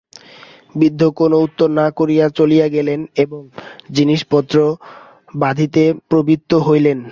বৃদ্ধ কোনো উত্তর না করিয়া চলিয়া গেলেন এবং জিনিসপত্র বাঁধিতে প্রবৃত্ত হইলেন।